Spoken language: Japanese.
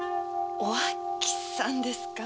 おあきさんですか？